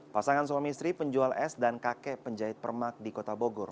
pasangan suami istri penjual es dan kakek penjahit permak di kota bogor